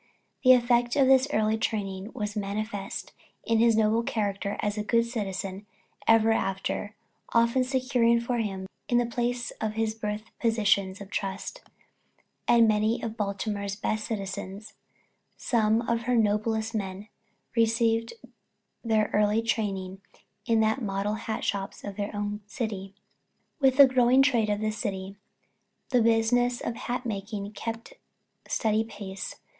The effect of this early training was manifest in his character as a good citizen ever after, often securing for him in the place of his birth positions of trust, and many of Baltimore's best citizens, and some of her noblest men, received their early training in the model hat shops of their own city. With the growing trade of the city, the business of hat making kept steady pace.